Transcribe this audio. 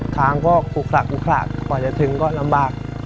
ทางก็คลุกขลักกว่าจะถึงก็ลำบาก